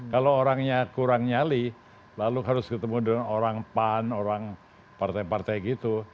kalau orangnya kurang nyali lalu harus ketemu dengan orang pan orang partai partai gitu